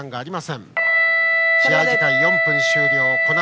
試合時間４分終了。